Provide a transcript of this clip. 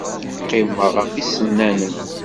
Qqimeɣ ɣef yisennanen.